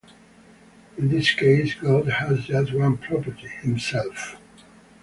In this case, God has just one property: himself.